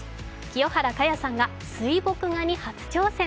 清原果耶さんが水墨画に初挑戦。